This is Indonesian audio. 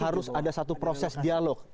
harus ada satu proses dialog